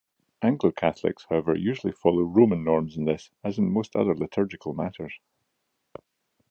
Anglo-Catholics, however, usually follow Roman norms in this as in most other liturgical matters.